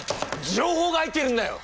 情報が入っているんだよ！